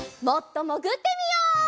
もっともぐってみよう！